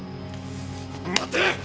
待て！